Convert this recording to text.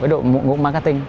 với đội ngũ marketing